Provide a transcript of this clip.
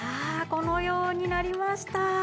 このようになりました！